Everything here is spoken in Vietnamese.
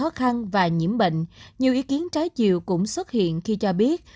trong cảnh khó khăn và nhiễm bệnh nhiều ý kiến trái chiều cũng xuất hiện khi cho biết